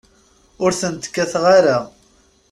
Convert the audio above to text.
Ur tent-kkateɣ ara.